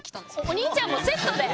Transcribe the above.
お兄ちゃんもセットで。